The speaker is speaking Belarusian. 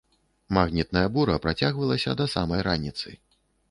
Магнітная бура працягвалася да самай раніцы.